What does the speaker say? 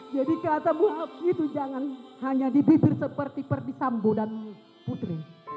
jadi katamu haf itu jangan hanya di bibir seperti perdi sambo dan putri